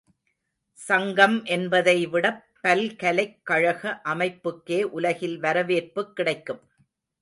சங்கம் என்பதை விடப் பல்கலைக்கழக அமைப்புக்கே உலகில் வரவேற்புக் கிடைக்கும்.